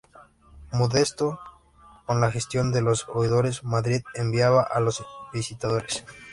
Molesto con la gestión de los oidores, Madrid enviaba a los Visitadores.